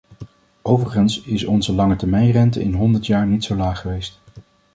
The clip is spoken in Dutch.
Overigens is onze langetermijnrente in honderd jaar niet zo laag geweest.